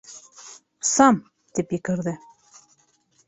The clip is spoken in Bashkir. — Сам! — тип екерҙе.